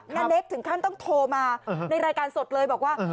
นาเนคถึงขั้นต้องโทรมาในรายการสดเลยบอกว่า